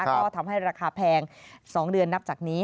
ก็ทำให้ราคาแพง๒เดือนนับจากนี้